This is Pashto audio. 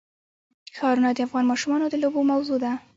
ښارونه د افغان ماشومانو د لوبو موضوع ده.